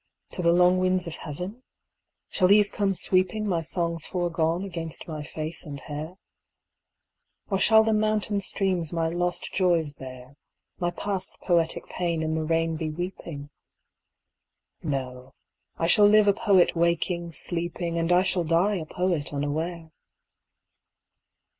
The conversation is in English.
To the long winds of heaven ? Shall these come sweeping My songs forgone against my face and hair ? Or shall the mountain streams my lost joys bear, My past poetic pain in rain be weeping ? No, I shall live a poet waking, sleeping, And I shall die a poet unaware.